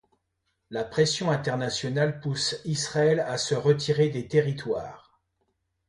La pression internationale pousse Israël à se retirer des territoires.